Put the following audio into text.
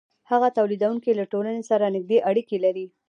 هغه تولیدونکی له ټولنې سره نږدې اړیکې لري